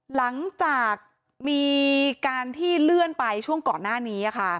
หลังจากมีการที่เลื่อนไปช่วงก่อนหน้านี้